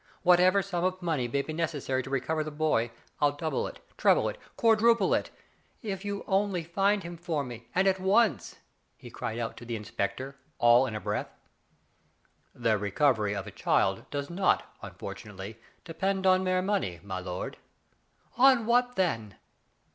Whatever sum of money may be neces sary to recover the boy Fli double it, treble it, quadruple it, if you only find him for me, and at once, he cried out to the inspector, all in a breath. " The recovery of the child does not, unfortu nately, depend on mere money, my lord. "On what, then?'